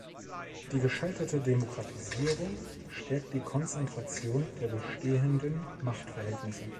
Die gescheiterte Demokratisierung stärkt die Konzentration der bestehenden Machtverhältnisse.